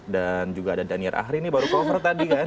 dan juga ada danier ahri nih baru cover tadi kan